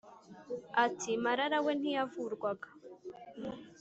ati « marara we ntiyavurwaga,